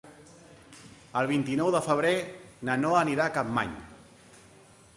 El vint-i-nou de febrer na Noa anirà a Capmany.